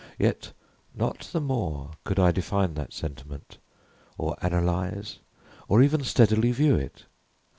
Yet not the more could I define that sentiment, or analyze, or even steadily view it.